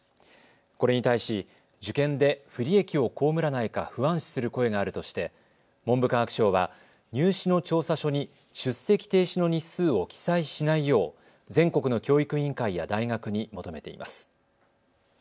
これに対し受験で不利益を被らないか不安視する声があるとして文部科学省は入試の調査書に出席停止の日数を記載しないよう全国の教育委員会や大学に求めています。